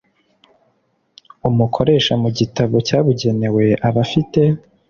umukoresha mu gitabo cyabugenewe aba abafite